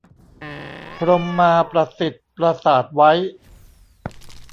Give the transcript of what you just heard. พรหมาประสิทธิ์ประสาทไว้